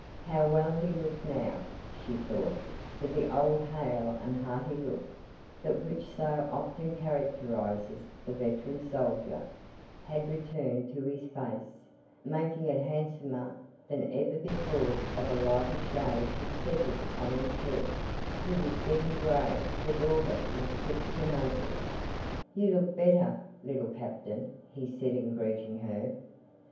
How well he looked now, she thought, for the old hale and hearty look, that which so often characterizes the veteran soldier, had returned to his face, making it handsomer than ever because of a lighter shade having settled on his head he was getting gray the daughter was quick to notice. "You look better, Little Captain," he said in greeting her.